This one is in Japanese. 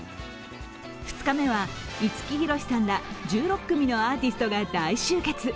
２日目は五木ひろしさんら１６組のアーティストが大集結。